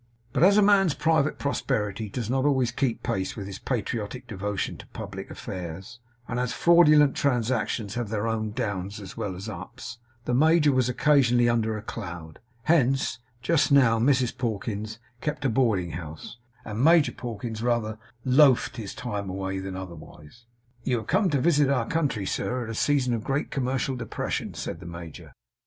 But as a man's private prosperity does not always keep pace with his patriotic devotion to public affairs; and as fraudulent transactions have their downs as well as ups, the major was occasionally under a cloud. Hence, just now Mrs Pawkins kept a boarding house, and Major Pawkins rather 'loafed' his time away than otherwise. 'You have come to visit our country, sir, at a season of great commercial depression,' said the major.